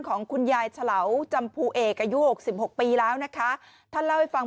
ของคุณยายเฉลาจำภูเอกอายุหกสิบหกปีแล้วนะคะท่านเล่าให้ฟัง